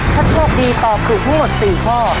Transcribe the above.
ถ้าโชคดีตอบถูกทั้งหมด๔ข้อ